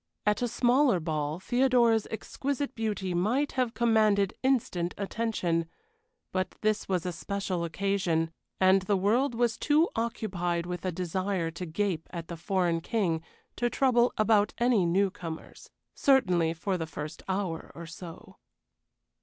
At a smaller ball Theodora's exquisite beauty must have commanded instant attention, but this was a special occasion, and the world was too occupied with a desire to gape at the foreign king to trouble about any new comers. Certainly for the first hour or so.